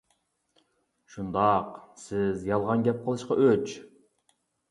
-شۇنداق، سىز يالغان گەپ قىلىشقا ئۆچ.